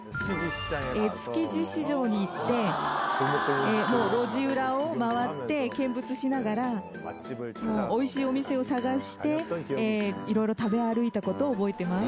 築地市場に行って、路地裏を回って見物しながら、おいしいお店を探して、いろいろ食べ歩いたことを覚えてます。